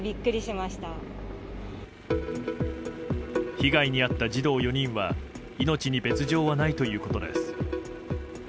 被害に遭った児童４人は命に別条はないということです。